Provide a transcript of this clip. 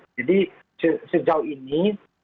jadi sejauh ini